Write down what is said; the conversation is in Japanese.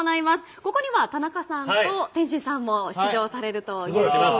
ここには田中さんと天心さんも出場されるという。